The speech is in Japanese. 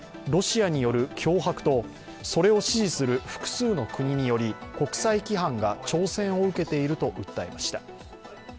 ロシアによる脅迫とそれを支持する複数の国による国際規範が挑戦を受けていると訴えました。